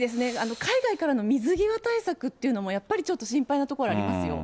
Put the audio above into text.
海外からの水際対策というのもやっぱり、ちょっと心配なところあ